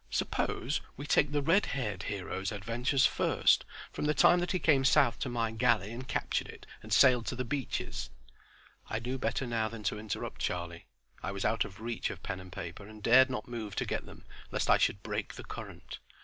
"Suppose we take the red haired hero's adventures first, from the time that he came south to my galley and captured it and sailed to the Beaches." I knew better now than to interrupt Charlie. I was out of reach of pen and paper, and dared not move to get them lest I should break the current.